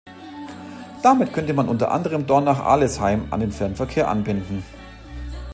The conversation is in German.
Damit könnte man unter anderem Dornach-Arlesheim an den Fernverkehr anbinden.